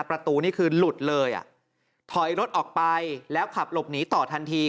ประตูนี่คือหลุดเลยอ่ะถอยรถออกไปแล้วขับหลบหนีต่อทันที